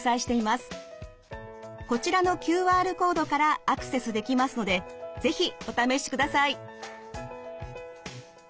こちらのＱＲコードからアクセスできますので是非お試しください。